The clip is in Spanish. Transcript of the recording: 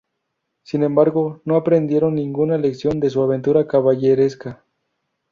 Sin embargo, no aprendieron ninguna lección de su aventura caballeresca.